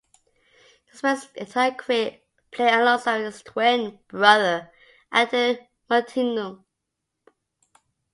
He spent his entire career playing alongside his twin brother Anton Munteanu.